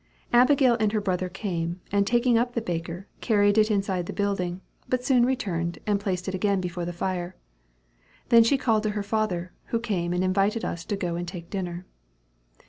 Abigail and her brother came, and taking up the baker, carried it inside the building, but soon returned, and placed it again before the fire. Then she called to her father, who came and invited us to go and take dinner.